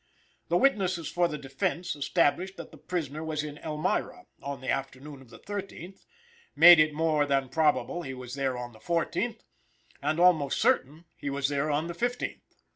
The witnesses for the defense established that the prisoner was in Elmira on the afternoon of the 13th, made it more than probable he was there on the 14th, and almost certain he was there on the 15th.